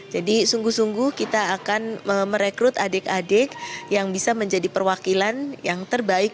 jadi sungguh sungguh kita akan merekrut adik adik yang bisa menjadi perwakilan yang terbaik